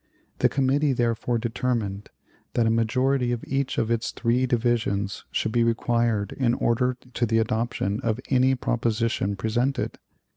The Committee therefore determined that a majority of each of its three divisions should be required in order to the adoption of any proposition presented.